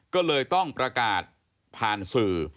ก็เลยต้องประกาศผ่านสื่อ